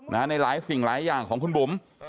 ในหลายสิ่งหลายอย่างของคุณบุ๋ม